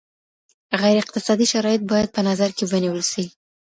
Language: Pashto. غیر اقتصادي شرایط باید په نظر کي ونیول سي.